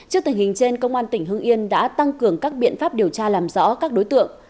trước tình hình trên công an tỉnh hưng yên đã tăng cường các biện pháp điều tra làm rõ các đối tượng